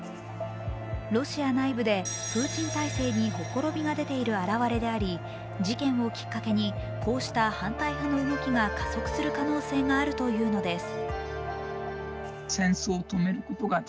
ロシア内部でプーチン体制にほころびが出ている表れであり事件をきっかけにこうした反対派の動きが加速する可能性があるというのです。